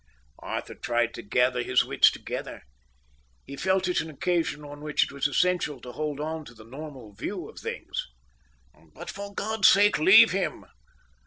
Arthur tried to gather his wits together. He felt it an occasion on which it was essential to hold on to the normal view of things. "But for God's sake leave him.